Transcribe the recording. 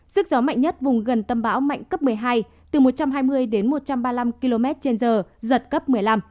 sức gió mạnh nhất vùng gần tâm bão mạnh cấp một mươi hai từ một trăm hai mươi đến một trăm ba mươi năm km trên giờ giật cấp một mươi năm